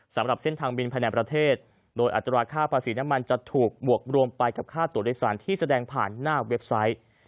สำหรับเส้นทางบินภายในประเทศโดยอัตราค่าภาษีน้ำมันจะถูกบวกรวมไปกับค่าตัวโดยสารที่แสดงผ่านหน้าเว็บไซต์